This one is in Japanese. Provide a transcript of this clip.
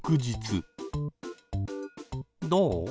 どう？